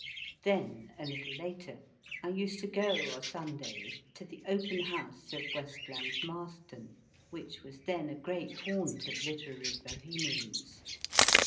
Then, a little later, I used to go o Sundays to the open house of Westland Marston, which was then a great haunt of lite rary Bohemians.